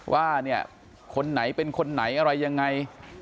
ว่าเนี่ยคนไหนเป็นคนไหนอะไรยังไง